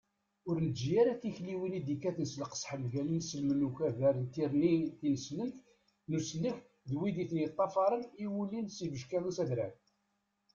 ur neǧǧi ara tikliwin i d-yekkaten s leqseḥ mgal inselmen n ukabar n tirni tineslemt n usellek d wid i ten-yeṭṭafaṛen i yulin s yibeckiḍen s adrar